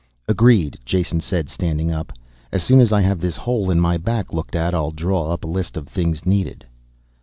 "Agreed," Jason said, standing up. "As soon as I have this hole in my back looked at I'll draw up a list of things needed."